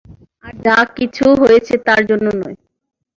আর যা কিছু হয়েছে তার জন্য নয়।